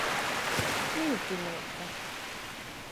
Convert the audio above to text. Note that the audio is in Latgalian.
Miļtineica.